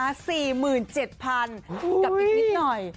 กับอีกนิดหน่อย